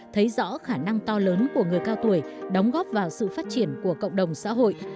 thấy rõ khả năng to lớn của người cao tuổi đóng góp vào sự phát triển của cộng đồng xã hội